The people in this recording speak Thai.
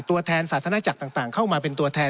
ตัวแทนศาสนาจักรต่างเข้ามาเป็นตัวแทน